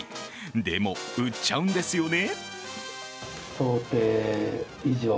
でも、売っちゃうんですよね？